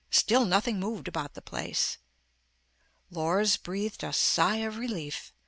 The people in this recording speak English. Still nothing moved about the place. Lors breathed a sigh of relief.